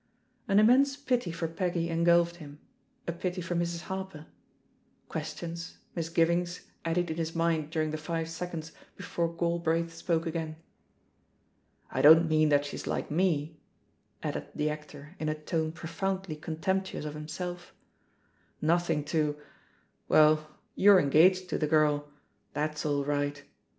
An immense pity for Peggy engulfed him. a pity for Mrs. Harper. Questions, misgivings eddied in his mind during the five seconds before Galbraith spoke again. "I don't mean that she's like me/^ added the actor in a tone profoundly contemptuous of him self ; "nothing to— Well, you're engaged to the girl! That's all right.